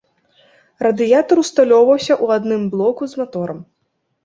Радыятар усталёўваўся ў адным блоку з маторам.